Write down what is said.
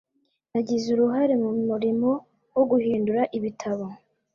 nagize uruhare mu murimo wo guhindura ibitabo